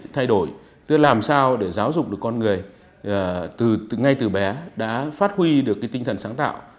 thay đổi tức là làm sao để giáo dục được con người ngay từ bé đã phát huy được cái tinh thần sáng tạo